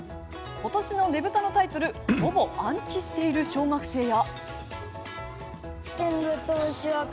今年のねぶたのタイトルをほぼ暗記している小学生や。